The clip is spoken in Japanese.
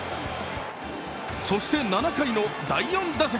そして７回の第４打席。